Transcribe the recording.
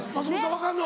分かるの。